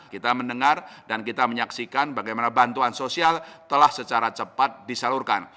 kita mendengar dan kita menyaksikan bagaimana bantuan sosial telah secara cepat disalurkan